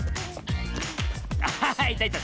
あいたいた。